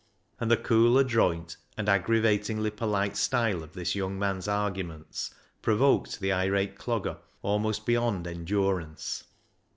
And the cool, adroit, and aggravatingly polite style of this young man's arguments provoked the irate Clogger almost beyond endurance.